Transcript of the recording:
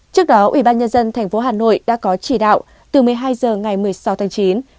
trước đó ủy ban nhân dân tp hà nội đã có chỉ đạo từ một mươi hai h ngày một mươi sáu tháng chín